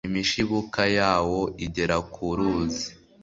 imishibuka yawo igera ku ruzi